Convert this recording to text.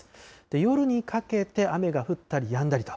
夜にかけて雨が降ったりやんだりと。